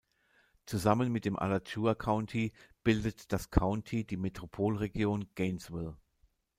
Zusammen mit dem Alachua County bildet das County die Metropolregion Gainesville.